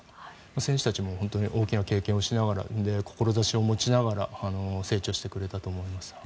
選手たちも大きな経験をしながら志を持ちながら成長してくれたと思います。